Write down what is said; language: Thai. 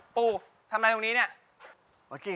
ปูทำอะไรตรงนี้เนี่ย